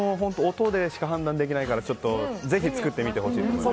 音でしか判断できないからぜひ作ってみてほしいと思います。